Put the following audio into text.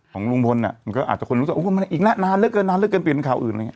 ของโรงพลมันก็อาจจะคนน่าลืมว่าอว้วอีกน่านานเรื่องเกินเรื่องข่าวอื่น